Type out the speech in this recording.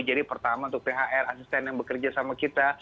jadi pertama untuk thr asisten yang bekerja sama kita